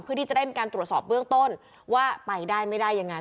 เพื่อที่จะได้มีการตรวจสอบเบื้องต้นว่าไปได้ไม่ได้ยังไง